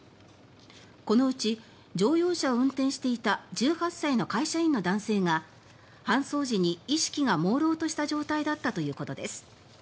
このうち乗用車を運転していた１８歳の会社員の男性が搬送時に意識がもうろうとした状態だったということです。